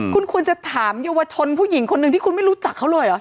คุณควรจะถามเยาวชนผู้หญิงคนหนึ่งที่คุณไม่รู้จักเขาเลยเหรอ